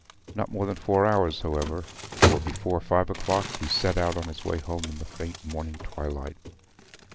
Not more than four hours, however, for before five o'clock he set out on his way home in the faint morning twilight.